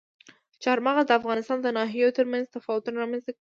چار مغز د افغانستان د ناحیو ترمنځ تفاوتونه رامنځته کوي.